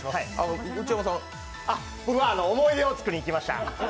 僕は思い出を作りに来ました。